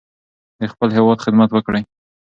د خپل هیواد خدمت وکړئ.